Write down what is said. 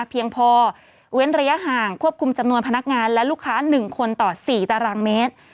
เพียงพอเว้นระยะห่างควบคุมจำนวนพนักงานและลูกค้า๑คนต่อ๔ตารางเมตร